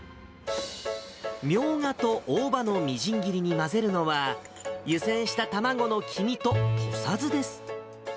みょうがと大葉のみじん切りに混ぜるのは、湯煎した卵の黄身と土佐酢です。